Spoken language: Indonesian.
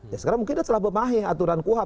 ya sekarang mungkin dia telah memahami aturan kuhap